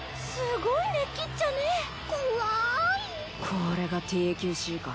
これがＴＱＣか。